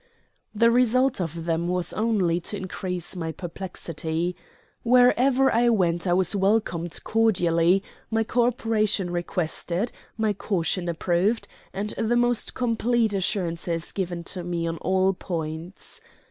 The result of them was only to increase my perplexity. Wherever I went I was welcomed cordially, my co operation requested, my caution approved, and the most complete assurances given to me on all points.